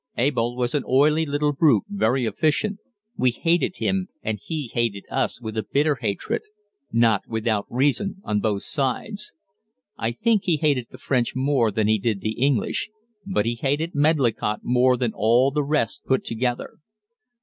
Abel was an oily little brute, very efficient; we hated him and he hated us with a bitter hatred not without reason on both sides. I think he hated the French more than he did the English, but he hated Medlicott more than all the rest put together.